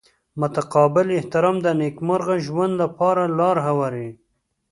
متقابل احترام د نیکمرغه ژوند لپاره لاره هواروي.